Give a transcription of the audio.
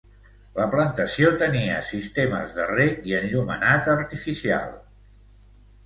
La plantació tenia sistemes de reg i enllumenat artificial.